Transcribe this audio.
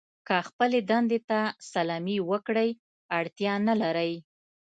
که خپلې دندې ته سلامي وکړئ اړتیا نه لرئ.